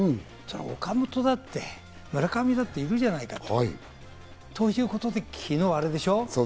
岡本だって村上だっているじゃないかと。ということで、昨日、あれでしょう？